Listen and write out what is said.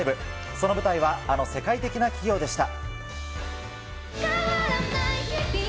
その舞台はあの世界的な企業でした。